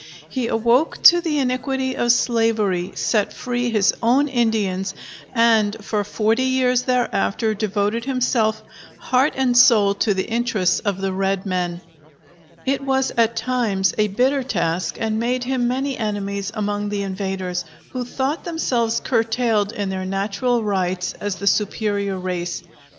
He awoke to the iniquity of slavery, set free his own Indians, and for forty years thereafter devoted himself heart and soul to the interests of the red men. It was at times a bitter task and made him many enemies among the invaders, who thought themselves curtailed in their natural rights as the superior race.